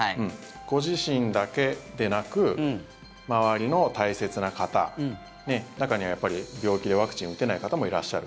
ご自身だけでなく周りの大切な方中には病気でワクチンを打てない方もいらっしゃる。